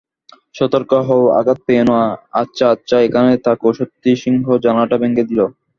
সতর্ক হও আঘাত পেয়ো না আচ্ছা আচ্ছা এখানেই থাকো সত্যিই সিংহ জানালাটা ভেঙ্গে দিল।